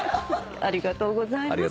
ありがとうございます。